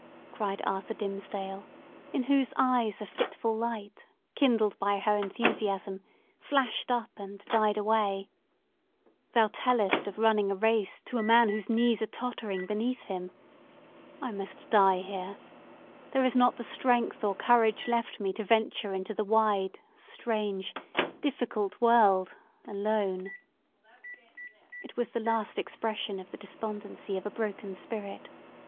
cried Arthur Dimmesdale, in whose eyes a fitful light, kindled by her enthusiasm, flashed up and died away, "thou tellest of running a race to a man whose knees are tottering beneath him! I must die here! There is not the strength or courage left me to venture into the wide, strange, difficult world alone!" It was the last expression of the despondency of a broken spirit.